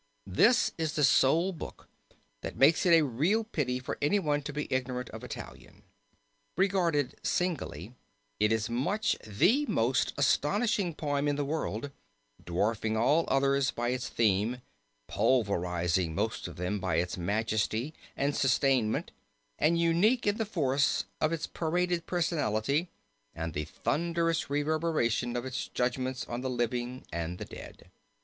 This is the sole book which makes it a real pity for anyone to be ignorant of Italian. Regarded singly, it is much the most astonishing poem in the world, dwarfing all others by its theme, pulverizing most of them by its majesty and sustainment, unique in the force of its paraded personality and the thunderous reverberation of its judgments on the living and the dead."